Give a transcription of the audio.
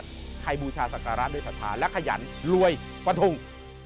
ใครบูชาศักดารรถด้วยภัทรภาและขยันรวยบัตรทุง